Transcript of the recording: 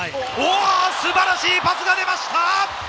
素晴らしいパスが出ました！